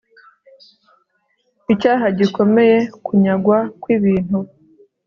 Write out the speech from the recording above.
icyaha gikomeye kunyagwa kw ibintu